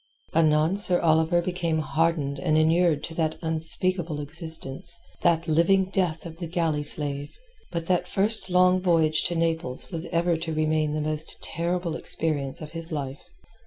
Anon Sir Oliver became hardened and inured to that unspeakable existence, that living death of the galley slave. But that first long voyage to Naples was ever to remain the most terrible experience of his life.